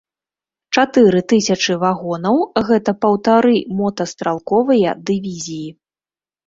Чатыры тысячы вагонаў гэта паўтары мотастралковыя дывізіі.